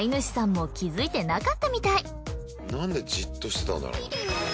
なんでじっとしてたんだろう。